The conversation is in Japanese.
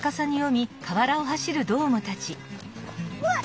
うわっ！